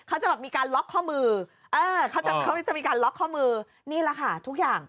เขาจะมีการล็อกข้อมือนี่แหละค่ะทุกอย่าง